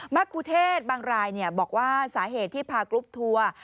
ครูเทศบางรายบอกว่าสาเหตุที่พากรุ๊ปทัวร์